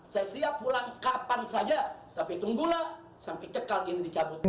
saya siap pulang kapan saja tapi tunggulah sampai cekal ini dicabut